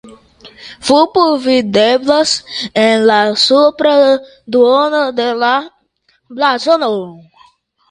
Vulpo videblas en la supra duono de la blazono.